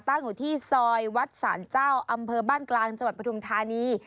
ตั้งอยู่ที่ซอยวัดสานเจ้าอำเภอปทุมธานี